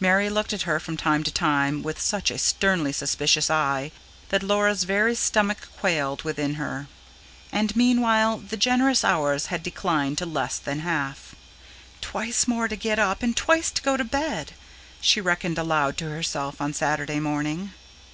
Mary looked at her from time to time with such a sternly suspicious eye that Laura's very stomach quailed within her. And meanwhile the generous hours had declined to less than half. "Twice more to get up, and twice to go to bed," she reckoned aloud to herself on Saturday morning.